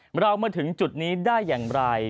เรามาถึงจุดนี้ได้อย่างไร